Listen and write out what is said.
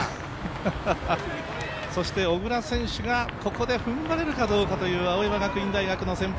小椋選手がここで踏ん張れるかどうかという青山学院大学の先輩。